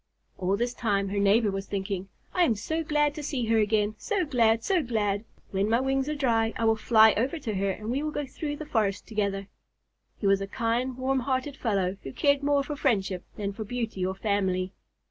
All this time her neighbor was thinking, "I am so glad to see her again, so glad, so glad! When my wings are dry I will fly over to her and we will go through the forest together." He was a kind, warm hearted fellow, who cared more for friendship than for beauty or family.